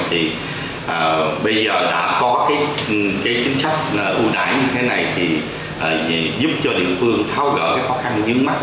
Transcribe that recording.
thì bây giờ đã có chính sách ưu đại như thế này giúp cho địa phương tháo gỡ khó khăn nhớ mắt